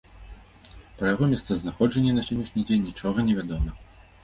Пра яго месцазнаходжанне на сённяшні дзень нічога не вядома.